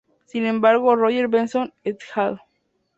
Sin embargo, Roger Benson "et al".